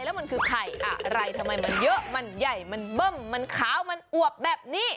แล้วมันคือไข่อะไรทำไมมันเยอะมันใหญ่มันเบิ้มมันขาวมันอวบแบบนี้